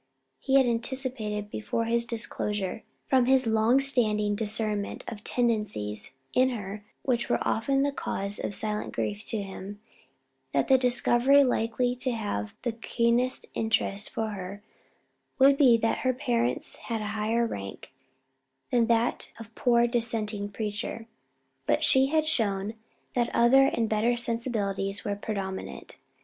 He had anticipated before his disclosure, from his long standing discernment of tendencies in her which were often the cause of silent grief to him, that the discovery likely to have the keenest interest for her would be that her parents had a higher rank than that of the poor Dissenting preacher; but she had shown that other and better sensibilities were predominant.